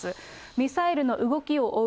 ミサイルの動きを追う